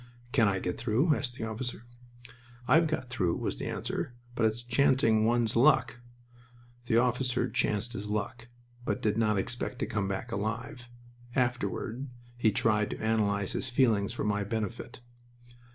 "Can I get through?" asked the officer. "I've got through," was the answer, "but it's chancing one's luck." The officer "chanced his luck," but did not expect to come back alive. Afterward he tried to analyze his feelings for my benefit.